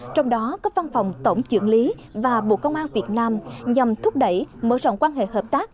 trong đó có văn phòng tổng trưởng lý và bộ công an việt nam nhằm thúc đẩy mở rộng quan hệ hợp tác